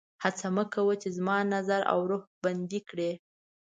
هڅه مه کوه چې زما نظر او روح بندي کړي